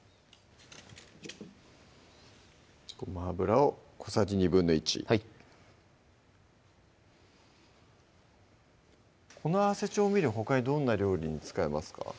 ごま油を小さじ１／２はいこの合わせ調味料ほかにどんな料理に使えますか？